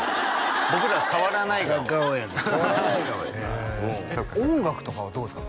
僕ら変わらない顔顔やねん変わらない顔や音楽とかはどうですか？